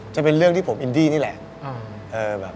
จะเป็นเรื่องที่ผมอินดี้นี่แหละ